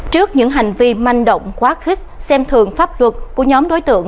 trước những hành vi manh động quá khích xem thường pháp luật của nhóm đối tượng